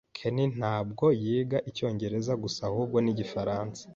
Ken ntabwo yiga icyongereza gusa ahubwo nigifaransa.